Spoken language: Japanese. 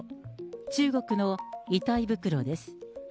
中国の遺体袋です。